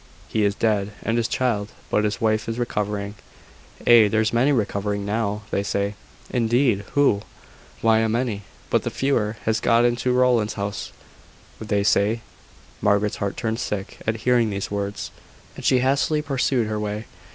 "He is dead and his child: but his wife is recovering." "Ay, there's many recovering now, they say." "Indeed! who?" "Why, a many. But the fever has got into Rowland's house, they say." Margaret's heart turned sick at hearing these words, and she hastily pursued her way.